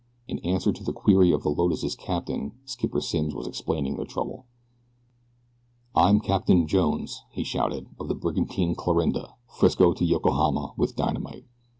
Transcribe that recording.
In answer to the query of the Lotus' captain Skipper Simms was explaining their trouble. "I'm Captain Jones," he shouted, "of the brigantine Clarinda, Frisco to Yokohama with dynamite.